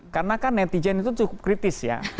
karena kan netizen itu cukup kritis ya